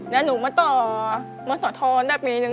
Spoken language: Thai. แล้วหนูมาต่อมาสอนทอดได้ปีหนึ่ง